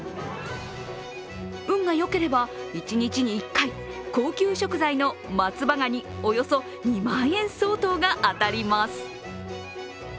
運がよければ、一日に１回、高級食材の松葉がに、およそ２万円相当が当たります。